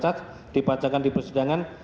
kata kata yang dipacarkan di persidangan